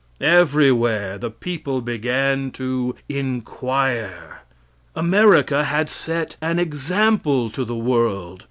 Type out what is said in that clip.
Everywhere the people began to inquire. America had set an example to the world.